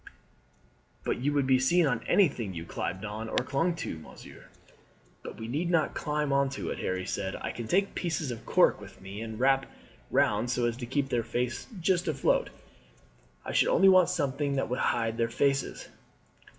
"But you would be seen on anything you climbed on to or clung to, monsieur. "But we need not climb on to it," Harry said. "I can take pieces of cork with me and wrap round them so as to keep their faces just afloat. I should only want something that would hide their faces."